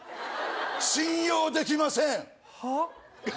信用できませんはっ？